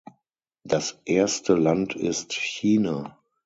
Das erste Land ist China.